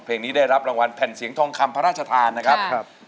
เพลงนี้ได้รับรางวัลแผ่นเสียงทองคำพระราชทานนะครับ